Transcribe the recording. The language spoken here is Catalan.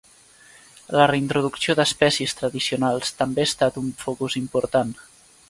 La reintroducció d'espècies tradicionals també ha estat un focus important.